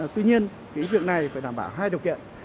tuy nhiên cái việc này phải đảm bảo hai điều kiện